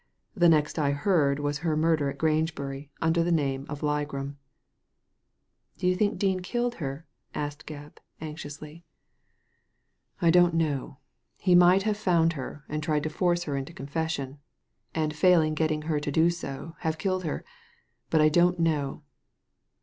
The next I heard was her murder at Grange bury under the name of Ligram." " Do you think Dean' killed her ?" asked Gebb, anxiously. Digitized by Google MISS WEDDERBURN 169 ^I don't know. He might have found her and tried to force her into confession, and failing getting her to do so have killed her ; but I don't know."